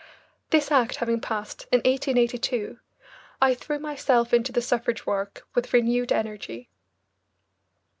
This act having passed in 1882, I threw myself into the suffrage work with renewed energy.